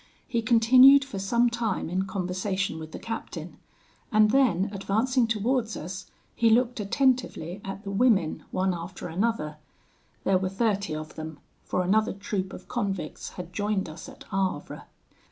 He continued for some time in conversation with the captain; and then advancing towards us, he looked attentively at the women one after another: there were thirty of them, for another troop of convicts had joined us at Havre.